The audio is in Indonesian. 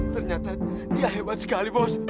ternyata dia hebat sekali bos